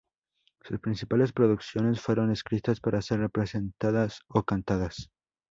Sus principales producciones fueron escritas para ser representadas ó cantadas.